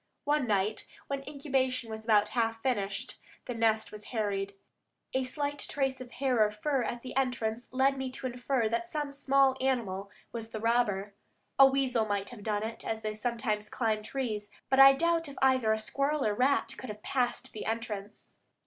One night, when incubation was about half finished, the nest was harried. A slight trace of hair or fur at the entrance led me to infer that some small animal was the robber. A weasel might have done it, as they sometimes climb trees, but I doubt if either a squirrel or a rat could have passed the entrance.